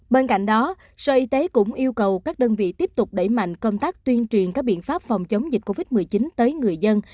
bên cạnh đó sở y tế cũng yêu cầu các đơn vị tiếp tục đẩy mạnh công tác tuyên truyền các biện pháp phòng chống dịch covid một mươi chín tới người dân